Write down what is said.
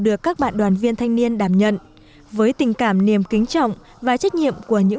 được các bạn đoàn viên thanh niên đảm nhận với tình cảm niềm kính trọng và trách nhiệm của những